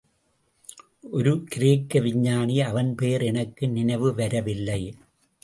ஒரு கிரேக்க விஞ்ஞானி, அவன் பெயர் எனக்கு நினைவு வரவில்லை.